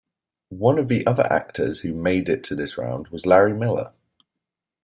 One of the other actors who made it to this round was Larry Miller.